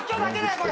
これ。